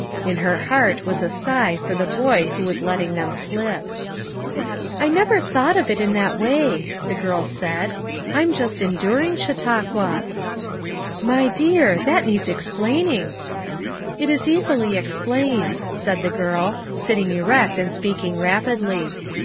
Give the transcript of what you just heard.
In her heart was a sigh for the boy who was letting them slip. "I never thought of it in that way," the girl said. "I'm just enduring Chautauqua." FOUR MOTHERS AT CHAUTAUQUA 93 "My dear! that needs explaining." "It is easily explained, " said the girl, sit ting erect and speaking rapidly.